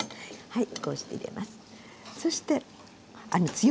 はい。